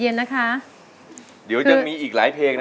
เดี๋ยวถ้าล้านหนึ่งหนูไปรอน่าสตูก่อน